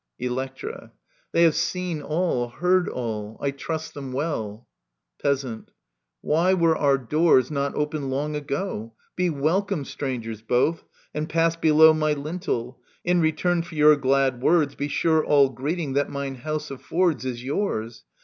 Electra. They have seen all, heard all. I trust them well. Peasant. Why were our doors not open long ago ?— Be welcome, strangers both, and pass below My lintel. In return for your glad words Be sure all greeting that mine house affords Is yours.